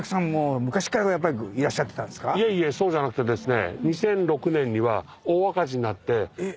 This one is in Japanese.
いえいえそうじゃなくてですね。